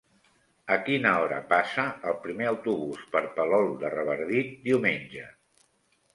A quina hora passa el primer autobús per Palol de Revardit diumenge?